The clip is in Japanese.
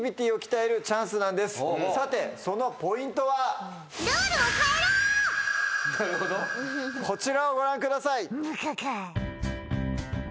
さてそのポイントは？こちらをご覧ください。